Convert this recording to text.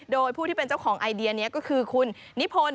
โดยผู้ที่เป็นเจ้าของไอเดียนี้ก็คือคุณนิพนธ์